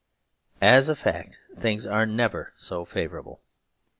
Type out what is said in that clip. As a fact things are never so favourable.